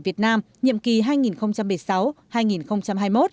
việt nam nhiệm kỳ hai nghìn bảy mươi sáu